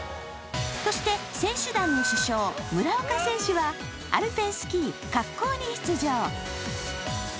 そして選手団の主将、村岡選手はアルペンスキーの滑降に出場。